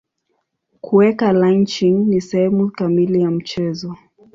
Kuweka lynching ni sehemu kamili ya mchezo.